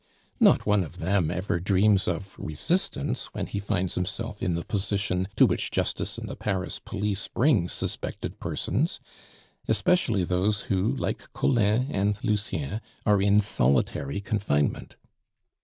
Not one of them ever dreams of resistance when he finds himself in the position to which justice and the Paris police bring suspected persons, especially those who, like Collin and Lucien, are in solitary confinement.